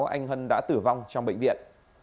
anh hân đã tử vong trong bệnh viện